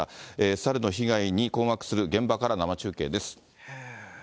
サルの被害に困惑する現場から生中継です。